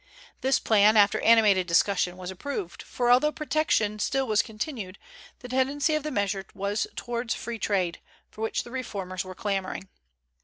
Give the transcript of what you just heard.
This plan, after animated discussion, was approved; for although protection still was continued, the tendency of the measure was towards free trade, for which the reformers were clamoring.